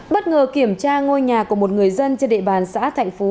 bất ngờ kiểm tra ngôi nhà của một người dân trên địa bàn xã thạnh phú